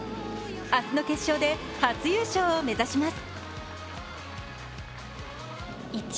明日の決勝で初優勝を目指します。